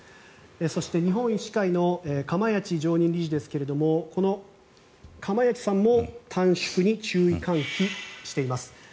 そして、日本医師会の釜萢常任理事ですがこの釜萢さんも短縮に注意喚起しています。